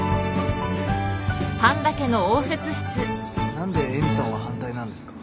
何でえみさんは反対なんですか？